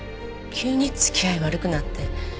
急に付き合い悪くなって。